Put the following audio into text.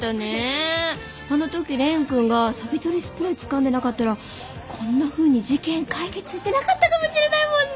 あの時蓮くんがサビ取りスプレーつかんでなかったらこんなふうに事件解決してなかったかもしれないもんね！